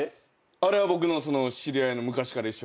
あれは僕の知り合いの昔から一緒にやってる。